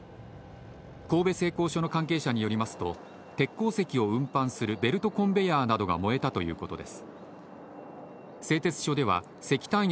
神戸製鋼所の関係者によりますと、鉄鉱石を運搬するベルトコンベヤーなどが燃えたということです。